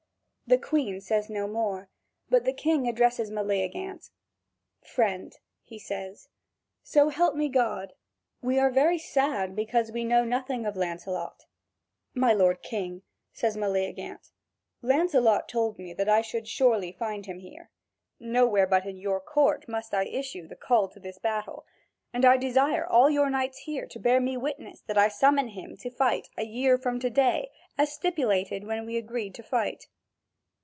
The Queen says no more, but the King addresses Meleagant: "Friend," he says, "so help me God, we are very sad because we know nothing of Lancelot." "My lord King," says Meleagant, "Lancelot told me that I should surely find him here. Nowhere but in your court must I issue the call to this battle, and I desire all your knights here to bear me witness that I summon him to fight a year from to day, as stipulated when we agreed to fight."